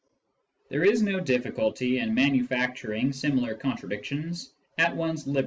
There is no difficulty in manufacturing similar contradictions ad lib.